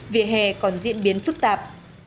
vỉa hè còn diễn biến phức tạp